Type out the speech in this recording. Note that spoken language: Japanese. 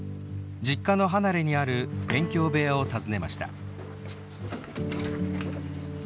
実家の離れにある勉強部屋を訪ねました。